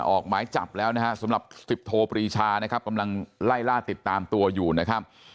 ออกหมายจับแล้วนะฮะสำหรับสิบโทปรีชานะครับกำลังไล่ล่าติดตามตัวอยู่นะครับ